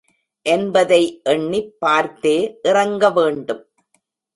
என்பதை எண்ணிப் பார்த்தே இறங்க வேண்டும்.